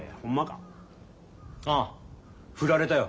ああ振られたよ